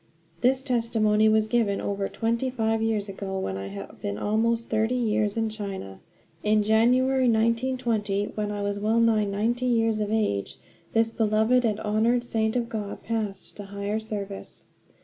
This testimony was given over twenty five years ago, when he had been almost thirty years in China! In January, 1920, when well nigh ninety years of age, this beloved and honored saint of God passed to higher service.